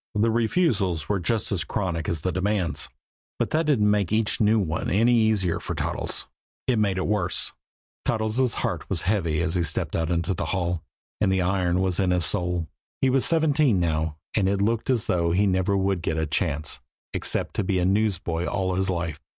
The refusals were just as chronic as the demands. But that didn't make each new one any easier for Toddles. It made it worse. Toddles' heart was heavy as he stepped out into the hall, and the iron was in his soul. He was seventeen now, and it looked as though he never would get a chance except to be a newsboy all his life.